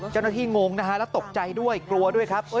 เจ้าหน้าที่งงนะฮะแล้วตกใจด้วยกลัวด้วยครับ